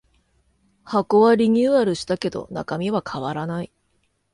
箱はリニューアルしたけど中身は変わらない